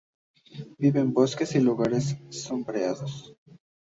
Vive en bosques y lugares sombreados.